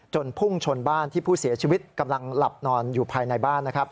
พุ่งชนบ้านที่ผู้เสียชีวิตกำลังหลับนอนอยู่ภายในบ้านนะครับ